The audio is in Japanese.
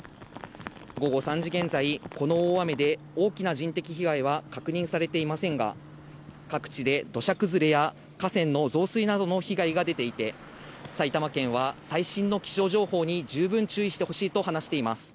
午後３時現在、この大雨で大きな人的被害は確認されていませんが、各地で土砂崩れや河川の増水などの被害が出ていて、埼玉県は最新の気象情報に十分注意してほしいと話しています。